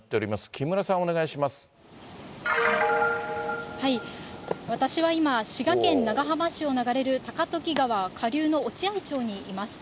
きむらさん、私は今、滋賀県長浜市を流れる高時川下流のおちあい町にいます。